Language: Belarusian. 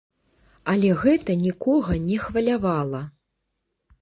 Але гэта нікога не хвалявала.